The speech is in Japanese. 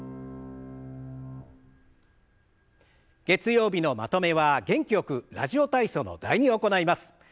月曜日のまとめは元気よく「ラジオ体操」の「第２」を行います。